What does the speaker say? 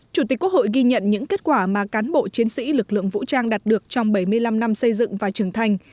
chủ tịch quốc hội ghi nhận những kết quả mà cán bộ chiến sĩ lực lượng vũ trang đạt được trong bảy mươi năm năm xây dựng và trưởng thành